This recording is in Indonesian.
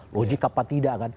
logik apa tidak